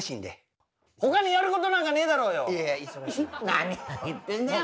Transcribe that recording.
何を言ってんだよ。